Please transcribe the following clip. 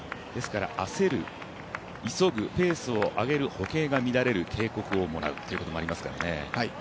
焦る、急ぐペースを上げる歩型が乱れる、警告をもらうっていうことがありますからね。